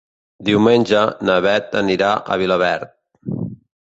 Diumenge na Beth anirà a Vilaverd.